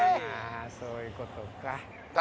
そういうことか。